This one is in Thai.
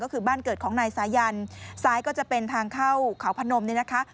ก็คือบ้านเกิดของนายสายันซ้ายก็จะเป็นทางเข้าเขาพนมนี่นะคะ